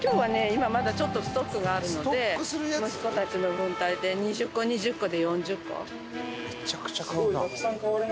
今まだちょっとストックがあるので息子たちの分とあれで２０個２０個で４０個。